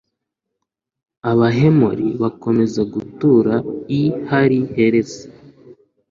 abahemori bakomeza gutura i hari heresi